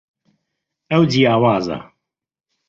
ئەو جیاوازە.